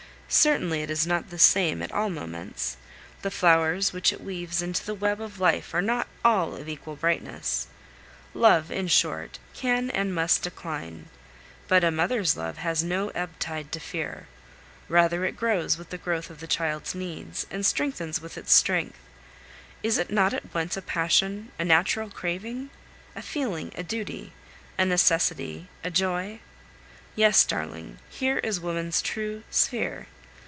Certainly it is not the same at all moments, the flowers which it weaves into the web of life are not all of equal brightness; love, in short, can and must decline. But a mother's love has no ebb tide to fear; rather it grows with the growth of the child's needs, and strengthens with its strength. Is it not at once a passion, a natural craving, a feeling, a duty, a necessity, a joy? Yes, darling, here is woman's true sphere.